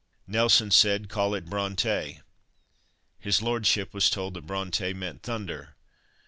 Nelson said "call it Bronte." His lordship was told that "Bronte" meant "thunder."